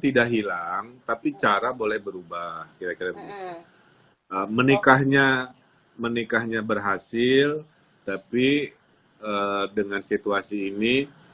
tidak hilang tapi cara boleh berubah kira kira begitu menikahnya menikahnya berhasil tapi dengan situasi ini